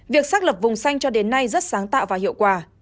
việc xác lập vùng xanh cho đến nay rất sáng tạo và hiệu quả